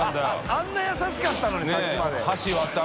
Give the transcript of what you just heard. あんなに優しかったのにさっきまで。